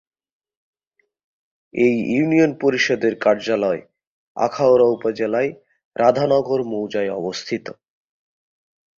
এই ইউনিয়ন পরিষদের কার্যালয় আখাউড়া উপজেলা'য় রাধানগর মৌজায় অবস্থিত।